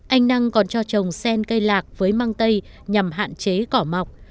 anh năng còn cho trồng sen cây lạc với mang tây nhằm hạn chế cỏ mọc